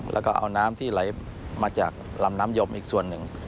แล้วก็เอาน้ำที่ไหลมาจากลำน้ำยมอีกส่วนหนึ่ง